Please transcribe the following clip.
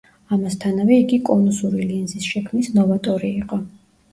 ამასთანავე, იგი კონუსური ლინზის შექმნის ნოვატორი იყო.